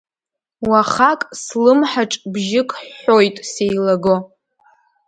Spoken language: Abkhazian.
Уахак слымҳаҿ бжьык ҳәҳәоит, сеилаго…